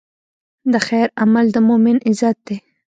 د خیر عمل د مؤمن عزت دی.